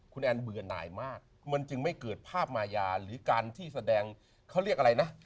คุณแอนเบื่อหน่ายมากมันจึงไม่เกิดภาพมายาหรือการที่แสดงเขาเรียกอะไรนะ